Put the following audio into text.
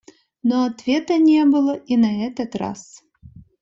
Но ответа не было и на этот раз.